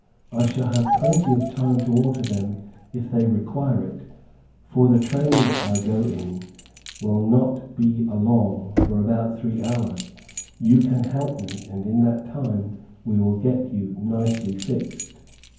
I shall have plenty of time to alter them if they require it, for the train that I go in, will not be along for about three hours; you can help me, and in that time we will get you nicely fixed."